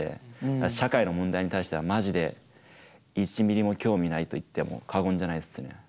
社会の問題に対してはマジで１ミリも興味ないと言っても過言じゃないっすね。